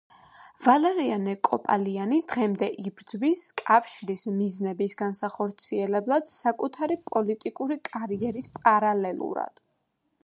ვალერიანე კოპალიანი დღემდე იღწვის კავშირის მიზნების განსახორციელებლად საკუთარი პოლიტიკური კარიერის პარალელურად.